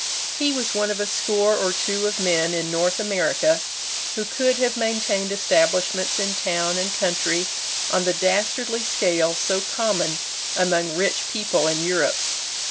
He was one of a score or two of men in North America who could have maintained establishments in town and country on the dastardly scale so common among rich people in Europe.